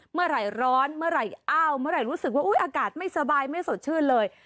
เมื่อไหร่ร้อนเมื่อไหร่อ้าวเมื่อไหร่รู้สึกว่าอุ๊ยอากาศไม่สบายไม่สดชื่นเลย